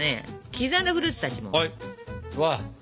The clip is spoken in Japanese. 刻んだフルーツたちも。